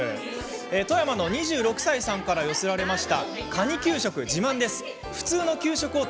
富山の２６歳さんから寄せられました。